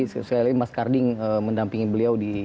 sekali lagi mas karding mendampingi beliau di